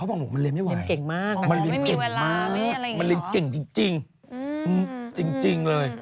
เขาบอกว่ามันเรียนไม่ไหวมันเรียนเก่งมากนะครับมันเรียนเก่งจริงจริงเลย